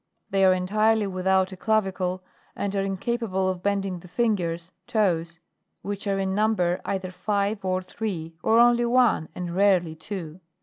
15. They are entirely without a clavicle and are incapable of bending the fingers (toes) which are in number either five, or three, or only one, and rarely two.